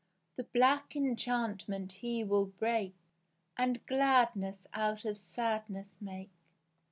The black enchantment he will break, And gladness out of sadness make."